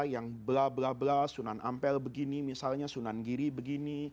yang bla bla bla sunan ampel begini misalnya sunan giri begini